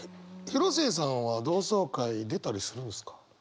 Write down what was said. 広末さんは同窓会出たりするんですか？